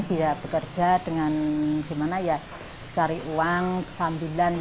dia bekerja dengan cari uang sambilan